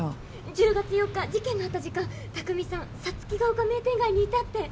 １０月４日事件のあった時間卓海さんさつきが丘名店街にいたって！